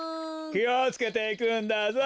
きをつけていくんだぞ。